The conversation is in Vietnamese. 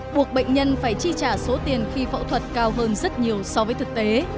buộc bệnh nhân phải chi trả số tiền khi phẫu thuật cao hơn rất nhiều so với thực tế